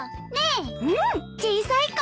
うん小さい子。